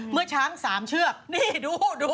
เมื่อช้างสามเชื่อกดู